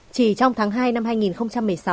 chỉ trong tháng hai năm hai nghìn một mươi sáu